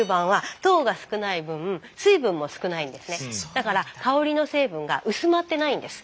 だから香りの成分が薄まってないんです。